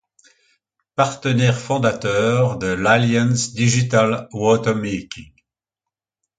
Partenaire fondateur de l'Alliance Digital Watermarking.